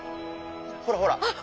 ほらほら！